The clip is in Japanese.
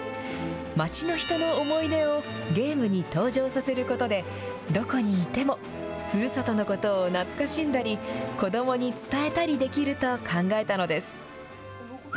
町の人の思い出をゲームに登場させることで、どこにいてもふるさとのことを懐かしんだり、子どもに伝えたりできると考えたのです。